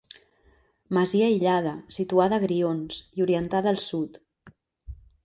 Masia aïllada, situada a Grions, i orientada al sud.